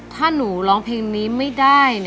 ถ้าหนูร้องเพลงนี้ไม่ได้